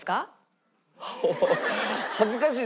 恥ずかしい。